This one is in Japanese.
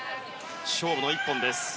勝負の一本です。